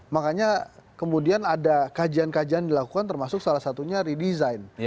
makanya kemudian ada kajian kajian dilakukan termasuk salah satunya redesign